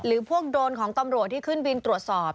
พวกโดรนของตำรวจที่ขึ้นบินตรวจสอบ